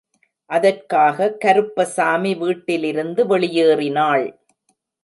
அதற்காக கருப்பசாமி வீட்டிலிருந்து வெளியேறினாள்.